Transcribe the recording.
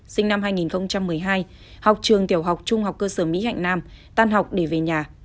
sinh năm hai nghìn một mươi hai học trường tiểu học trung học cơ sở mỹ hạnh nam tan học để về nhà